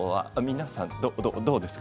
皆さん、どうですか？